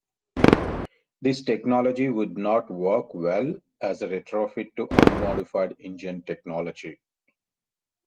This technology would not work well as a retrofit to unmodified engine technology.